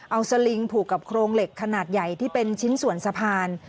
เอาสลิงผูกกับโครงเหล็กขนาดใหญ่ที่เป็นชิ้นส่วนสะพาน